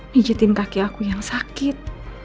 mijitin kaki aku yang sakit